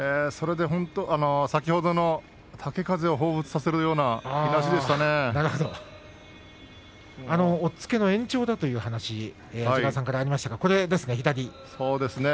先ほどの豪風をほうふつとさせるような押っつけの延長だという話は安治川さんからありましたね。